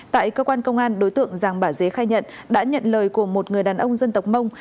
tại cơ quan công an đối tượng giàng bà dế khai nhận đã nhận lời của một người đàn ông dân tộc mông